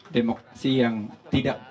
demokrasi yang tidak